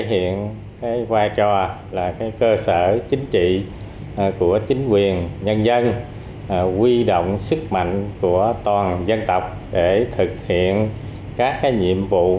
hệ thống của chính quyền nhân dân quy động sức mạnh của toàn dân tộc để thực hiện các nhiệm vụ